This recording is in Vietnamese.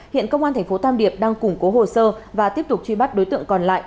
hiện công an tp tam điệp đang củng cố hồ sơ và tiếp tục truy bắt đối tượng còn lại